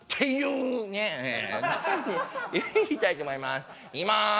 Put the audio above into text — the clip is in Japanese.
いきたいと思います。